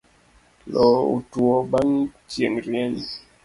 Loo otuo bang' chieng' rieny